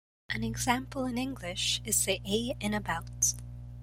An example in English is the "a" in "about".